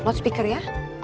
load speaker ya